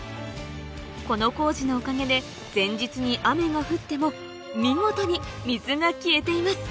この工事のおかげで前日に雨が降っても見事に水が消えています